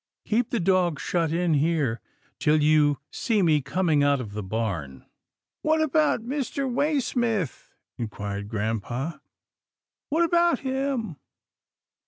Keep the dog shut in here, till you see me coming out of the barn.'* " What about Mr. Way smith? " inquired grampa, " what about him?"